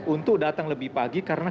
untuk datang lebih pagi karena